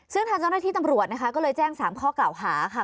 ซึ่งทางตำรวจก็เลยแจ้ง๓ข้อเก่าหาค่ะ